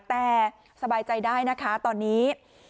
แต่สบายใจได้นะคะตอนนี้